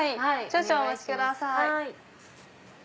少々お待ちください。